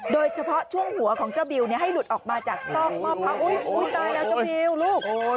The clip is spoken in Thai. โดยเฉพาะช่วงหัวของเจ้าบิวให้หลุดออกมาจากซอกหม้อพระอุ๊ยตายแล้วเจ้าบิวลูก